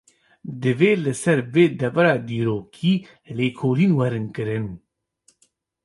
Divê li ser vê devera dîrokî, lêkolîn werin kirin